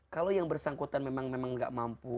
kalau yang bersangkutan memang tidak mampu